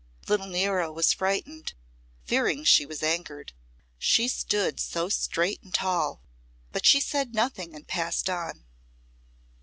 Little Nero was frightened, fearing she was angered; she stood so straight and tall, but she said nothing and passed on.